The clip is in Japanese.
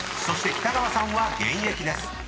［そして北川さんは現役です］